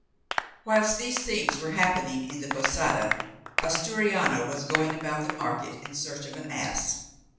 Whilst these things were happening in the posada, Asturiano was going about the market in search of an ass.